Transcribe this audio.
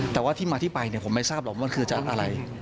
แต่ว่าที่มาที่ไปผมไม่ทราบหรอกว่ามันคือจากอะไร